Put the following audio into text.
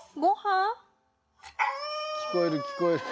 「聞こえる聞こえる。